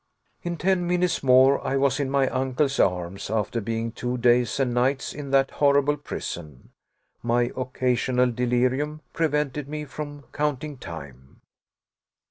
In ten minutes more I was in my uncle's arms, after being two days and nights in that horrible prison. My occasional delirium prevented me from counting time.